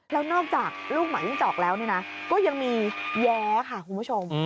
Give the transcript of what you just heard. แล้วนอกจากลูกหมาวิ่งจอกแล้วเนี่ยนะก็ยังมีแย้ค่ะคุณผู้ชม